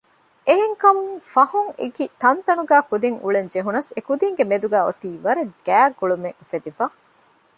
އެެހެންކަމުން ފަހުން އެކި ތަންތަނުގައި ކުދިން އުޅެން ޖެހުނަސް އެކުދިންގެ މެދުގައި އޮތީ ވަރަށް ގާތް ގުޅުމެއް އުފެދިފަ